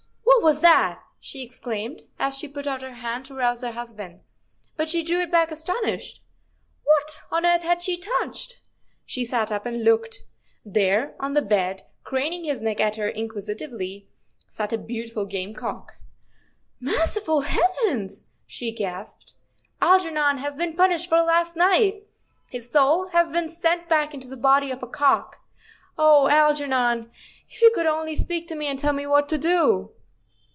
" What was that?" she exclaimed, as she put out her hand to arouse her husband. But she drew it back astonished. What on earth had she touched? She sat up and looked. There on the bed, craning his neck at her inquisitively, sat a beautiful game cock. "Merciful heavens! " she gasped, "Algernon has been punished for last night. His soul has been sent back into the body of a cock. Oh, Algernon, if you could only speak to me and tell me what to do."